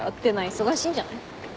忙しいんじゃない？